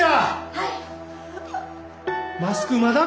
はい！